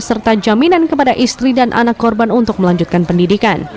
serta jaminan kepada istri dan anak korban untuk melanjutkan pendidikan